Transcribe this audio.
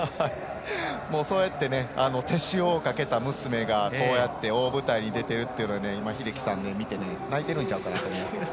そうやって手塩をかけた娘がこうやって大舞台に出ているというのでお父さんが見て泣いてるんちゃうかなって。